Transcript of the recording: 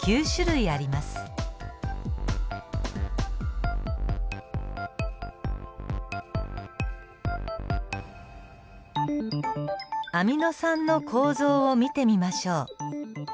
アミノ酸の構造を見てみましょう。